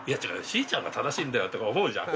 しーちゃんが正しいんだよ」とか思うじゃん。